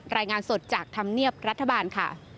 รายงานสดจากธรรมเนียบรัฐบาลค่ะ